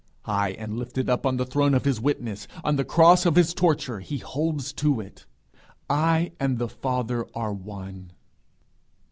High and lifted up on the throne of his witness, on the cross of his torture, he holds to it: 'I and the Father are one.'